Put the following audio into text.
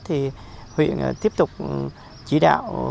thì huyện tiếp tục chỉ đạo